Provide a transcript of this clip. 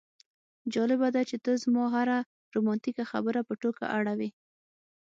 جالبه ده چې ته زما هره رومانتیکه خبره په ټوکه اړوې